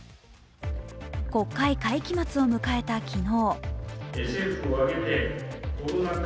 国会会期末を迎えた昨日。